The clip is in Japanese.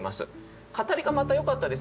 語りがまたよかったですね。